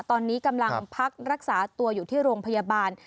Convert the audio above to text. ตอนนี้กำลังพักรักษาตัวอยู่ที่โรงพยาบาล